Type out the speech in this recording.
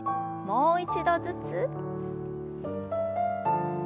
もう一度ずつ。